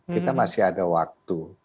kita masih ada waktu